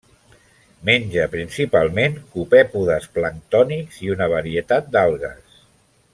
Menja principalment copèpodes planctònics i una varietat d'algues.